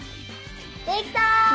できた！